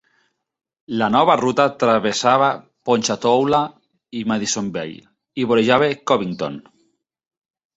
La nova ruta travessava Ponchatoula i Madisonville i vorejava Covington.